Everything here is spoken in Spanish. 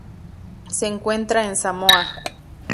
Se encuentra en Samoa.